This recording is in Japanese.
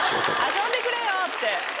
遊んでくれよって。